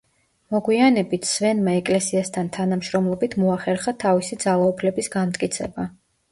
მოგვიანებით, სვენმა ეკლესიასთან თანამშრომლობით მოახერხა თავისი ძალაუფლების განმტკიცება.